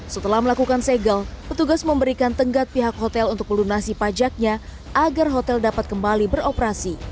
setelah melakukan segel petugas memberikan tenggat pihak hotel untuk melunasi pajaknya agar hotel dapat kembali beroperasi